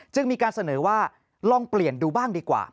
มีการเสนอว่าลองเปลี่ยนดูบ้างดีกว่า